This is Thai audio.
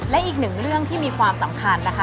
และอีกหนึ่งเรื่องที่มีความสำคัญนะคะ